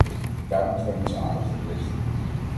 Daar moeten wij onze aandacht op richten.